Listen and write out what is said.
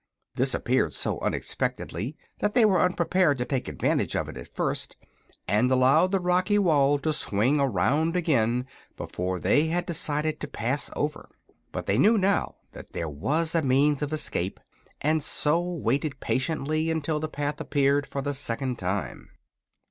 This appeared so unexpectedly that they were unprepared to take advantage of it at first, and allowed the rocky wall to swing around again before they had decided to pass over. But they knew now that there was a means of escape and so waited patiently until the path appeared for the second time.